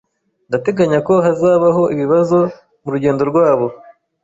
Ndateganya ko hazabaho ibibazo murugendo rwabo.